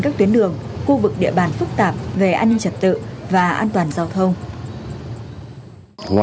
các tuyến đường khu vực địa bàn phức tạp về an ninh trật tự và an toàn giao thông